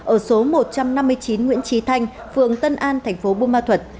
ở số một trăm năm mươi chín nguyễn trí thanh phường tân an thành phố bù ma thuật